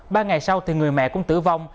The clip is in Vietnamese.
ba ngày sau người mẹ cũng tử vong